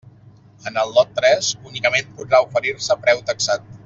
En el lot tres únicament podrà oferir-se preu taxat.